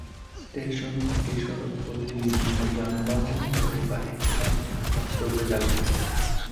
Station থেকে সড়কপথে বিভিন্ন যানবাহন ধরে বা হেঁটে মানুষ তার গন্তব্যে যাবে।